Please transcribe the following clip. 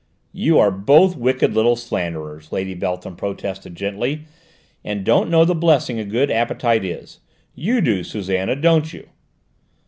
"You are both wicked little slanderers," Lady Beltham protested gently, "and don't know the blessing a good appetite is. You do, Susannah, don't you?"